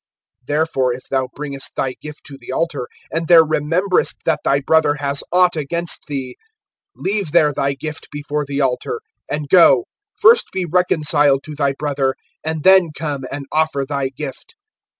(23)Therefore if thou bringest thy gift to the altar, and there rememberest that thy brother has aught against thee; (24)leave there thy gift before the altar, and go, first be reconciled to thy brother and then come and offer thy gift.